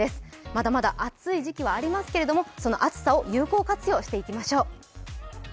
まだまだ暑い時期はありますけどもその暑さを有効活用していきましょう。